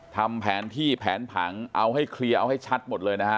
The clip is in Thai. ทำแผนที่แผนผังเอาให้เคลียร์เอาให้ชัดหมดเลยนะฮะ